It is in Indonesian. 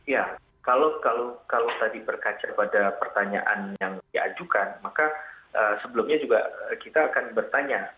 ya kalau tadi berkaca pada pertanyaan yang diajukan maka sebelumnya juga kita akan bertanya